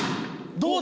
どうだ？